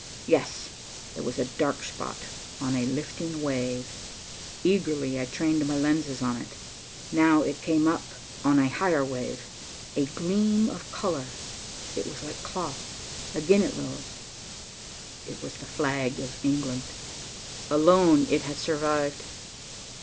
Yes, there was a dark spot on a lifting wave. Eagerly I trained my lenses on it. Now it came up on a higher wave. A gleam of color. It was like cloth. Again it rose. It was the flag of England. Alone it had survived.